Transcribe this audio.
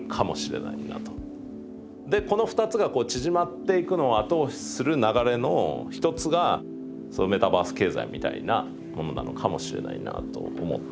でこの２つが縮まっていくのを後押しする流れの１つがメタバース経済みたいなものなのかもしれないなと思ったりします。